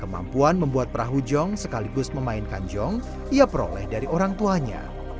kemampuan membuat perahu jong sekaligus memainkan jong ia peroleh dari orang tuanya